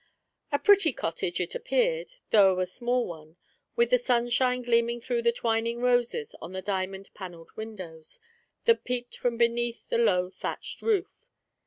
A pretty cottage it appeared, though a small one, with the sunshine gleaming through the twining roses on the diamond panelled windows^ that peeped from beneath tlie low thatched roof.